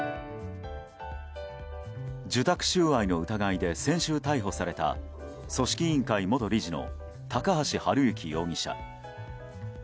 受託収賄の疑いで先週逮捕された組織委員会元理事の高橋治之容疑者。